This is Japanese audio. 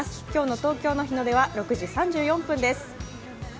今日の東京の日の出は６時３４分です